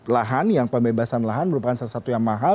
lahan yang pembebasan lahan merupakan salah satu yang mahal